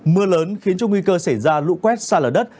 mưa lớn khiến cho nguy cơ xảy ra lũ quét xa lở đất